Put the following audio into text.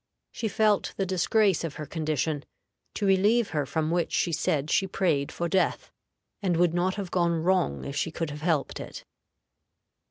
She felt the disgrace of her condition, to relieve her from which she said she prayed for death, and would not have gone wrong if she could have helped it.